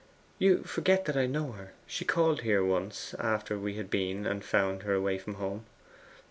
'You forget that I know her. She called here once, after we had been, and found her away from home.